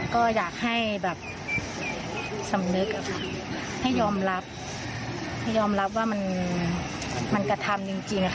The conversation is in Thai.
ก็อยากให้สำนึกค่ะให้ยอมรับว่ามันกระทำจริง